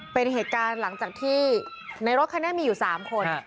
เป็นเหตุการณ์หลังจากที่ในรถคันนี้มีอยู่๓คน